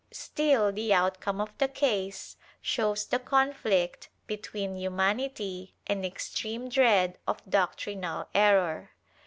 Still, the outcome of the case shows the conflict between humanity and extreme dread of doctrinal error.